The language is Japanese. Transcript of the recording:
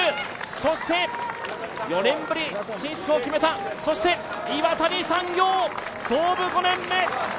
そして４年ぶり、進出を決めた、そして岩谷産業、創部５年目。